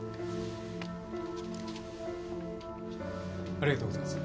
ありがとうございます。